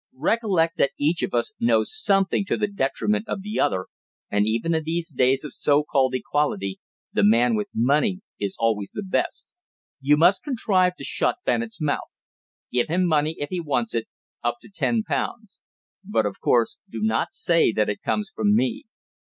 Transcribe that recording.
Recollect that each of us knows something to the detriment of the other, and even in these days of so called equality the man with money is always the best. You must contrive to shut Bennett's mouth. Give him money, if he wants it up to ten pounds. But, of course, do not say that it comes from me.